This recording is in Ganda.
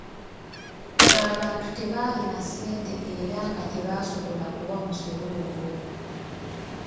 Abantu tebaalina ssente era nga tebasobola kuwa musolo ogwo.